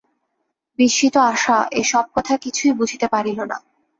বিস্মিত আশা এ-সব কথা কিছুই বুঝিতে পারিল না।